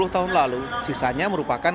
sepuluh tahun lalu sisanya merupakan